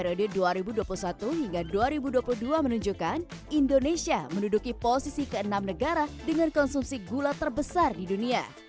periode dua ribu dua puluh satu hingga dua ribu dua puluh dua menunjukkan indonesia menduduki posisi ke enam negara dengan konsumsi gula terbesar di dunia